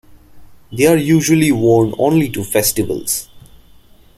They are usually worn only to festivals.